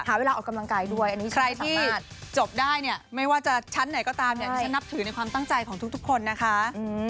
เวลาออกกำลังกายด้วยอันนี้ใครที่จบได้เนี่ยไม่ว่าจะชั้นไหนก็ตามเนี่ยดิฉันนับถือในความตั้งใจของทุกคนนะคะ